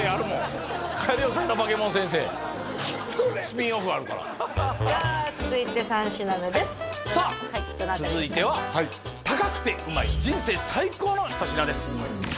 スピンオフあるからさあ続いて三品目ですさあ続いては高くてうまい人生最高の一品です